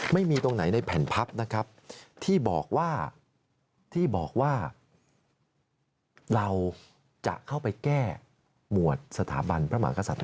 ไม่มีตรงไหนในแผ่นพับนะครับที่บอกว่าที่บอกว่าเราจะเข้าไปแก้หมวดสถาบันพระมหากษัตริย